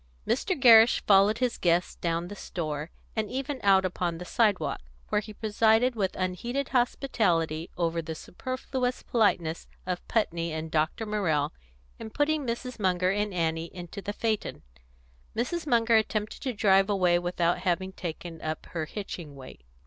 Mr. Gerrish followed his guests down the store, and even out upon the sidewalk, where he presided with unheeded hospitality over the superfluous politeness of Putney and Dr. Morrell in putting Mrs. Munger and Annie into the phaeton. Mrs. Munger attempted to drive away without having taken up her hitching weight.